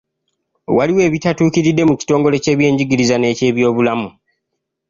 Waliwo ebitatuukiridde mu kitongole ky'ebyenjigiriza n'ekyebyobulamu.